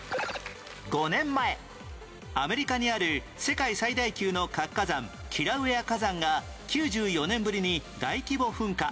５年前アメリカにある世界最大級の活火山キラウエア火山が９４年ぶりに大規模噴火